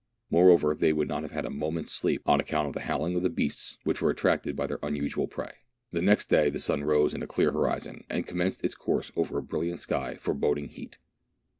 Moreover, they would not have had a moment's sleep, on account of the howling of the beasts which were attracted by their unusual prey. The next day the sun rose in a clear horizon, and commenced its course over a brilliant sky foreboding heat.